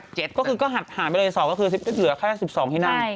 ก็จะหัดห่านไปเลย๒แล้วก็เหลือแค่๑๒ที่นั่ง